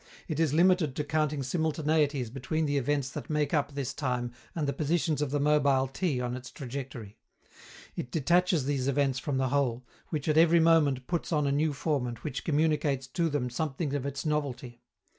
It is limited to counting simultaneities between the events that make up this time and the positions of the mobile T on its trajectory. It detaches these events from the whole, which at every moment puts on a new form and which communicates to them something of its novelty.